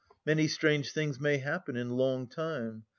Many strange things may happen in long time.